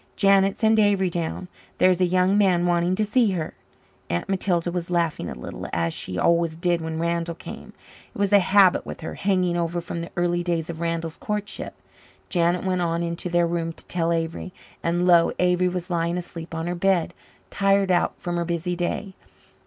"Janet, send Avery down. There is a young man wanting to see her." Aunt Matilda was laughing a little as she always did when Randall came. It was a habit with her, hanging over from the early days of Randall's courtship. Janet went on into their room to tell Avery. And lo, Avery was lying asleep on her bed, tired out from her busy day.